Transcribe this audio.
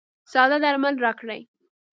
ساده درمل راکړئ.